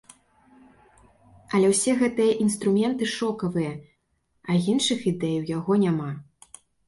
Але ўсе гэтыя інструменты шокавыя, а іншых ідэй у яго няма.